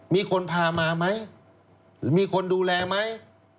มีคนพามาไหมหรือมีคนดูแลไหม